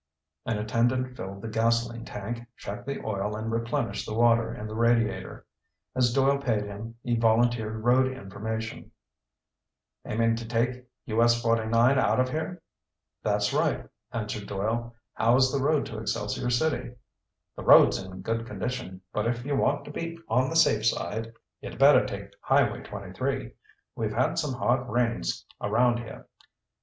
An attendant filled the gasoline tank, checked the oil and replenished the water in the radiator. As Doyle paid him, he volunteered road information. "Aiming to take U.S. 49 out of here?" "That's right," answered Doyle. "How is the road to Excelsior City?" "The road's in good condition. But if you want to be on the safe side you'd better take Highway 23. We've had some hard rains around here.